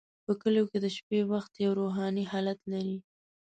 په کلیو کې د شپې وخت یو روحاني حالت لري.